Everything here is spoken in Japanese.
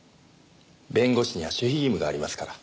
弁護士には守秘義務がありますから。